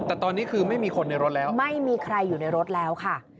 แต่ตอนนี้คือไม่มีคนในรถแล้วไม่มีใครอยู่ในรถแล้วค่ะ